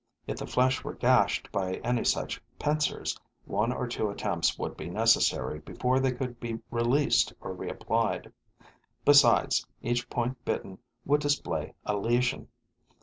If the flesh were gashed by any such pincers, one or two attempts would be necessary before they could be released or reapplied; besides, each point bitten would display a lesion.